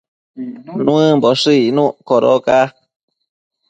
Nuëmboshë icnuc codoca